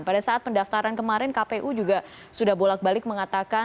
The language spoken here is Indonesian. pada saat pendaftaran kemarin kpu juga sudah bolak balik mengatakan